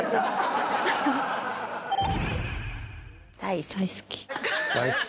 大好き。